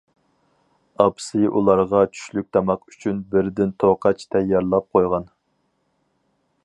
ئاپىسى ئۇلارغا چۈشلۈك تاماق ئۈچۈن بىردىن توقاچ تەييارلاپ قويغان.